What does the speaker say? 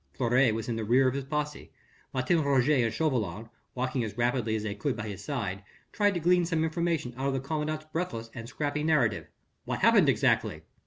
Fleury was in the rear of his posse. Martin Roget and Chauvelin, walking as rapidly as they could by his side, tried to glean some information out of the commandant's breathless and scrappy narrative: "What happened exactly?"